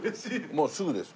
もうすぐです。